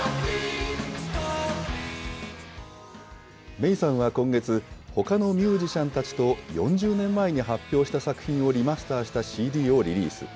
メイさんは今月、ほかのミュージシャンたちと、４０年前に発表した作品をリマスターしたＣＤをリリース。